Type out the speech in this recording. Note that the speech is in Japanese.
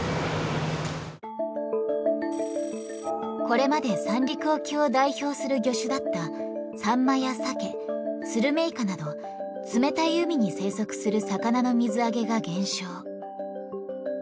これまで三陸沖を代表する魚種だったサンマやサケスルメイカなど冷たい海に生息する魚の水揚げが減少。